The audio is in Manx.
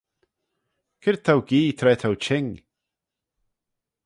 C'red t'ou gee tra t'ou çhing?